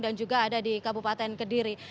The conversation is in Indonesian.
dan juga ada di kabupaten kediri